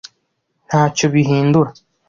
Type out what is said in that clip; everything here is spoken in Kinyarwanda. Ntacyo bihindura.